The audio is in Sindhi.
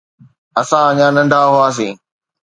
اسان اڃا ننڍا هئاسين.